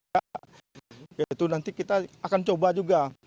ya itu nanti kita akan coba juga